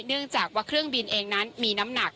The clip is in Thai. เนื่องจากว่าเครื่องบินเองนั้นมีน้ำหนัก